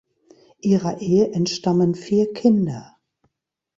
Ihrer Ehe entstammen vier Kinder.